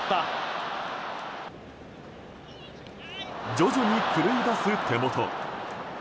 徐々に狂いだす手元。